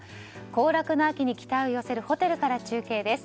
行楽の秋に期待を寄せるホテルから中継です。